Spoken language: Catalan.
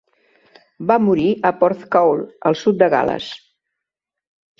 Va morir a Porthcawl, al sud de Gal·les.